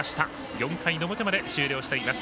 ４回の表まで終了しています。